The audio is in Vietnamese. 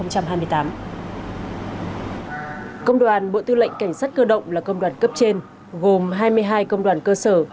công đoàn bộ tư lệnh cảnh sát cơ động là công đoàn cấp trên gồm hai mươi hai công đoàn cơ sở